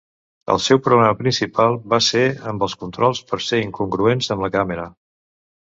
El seu problema principal va ser amb els controls per ser incongruents amb la càmera.